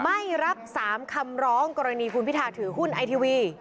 ไม่รับ๓คำร้องกรณีคุณพิทาถือหุ้นไอทีวี